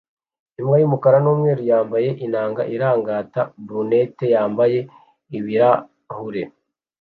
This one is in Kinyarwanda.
Imbwa y'umukara n'umweru yambaye inanga irigata brunette yambaye ibirahure